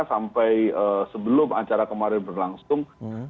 sampai sebelum acara kemarin berlangsung